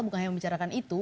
bukan hanya membicarakan itu